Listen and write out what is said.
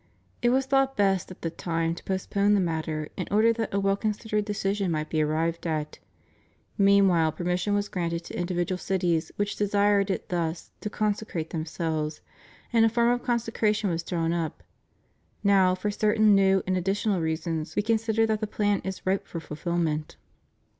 It was thought best at the time to post pone the matter in order that a well considered decision might be arrived at: meanwhile permission was granted to individual cities which desired it thus to consecrate themselves, and a form of consecration was drawn up. Now, for certain new and additional reasons, We con sider that the plan is ripe for fulfilment.